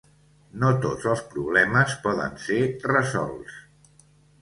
No tots els problemes poden ser resolts.